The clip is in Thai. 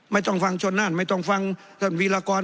ไม่ต้องฟังชนนั่นไม่ต้องฟังท่านวีรากร